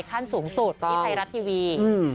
ใครขั้นสูงสุดที่ไพรัสทีวี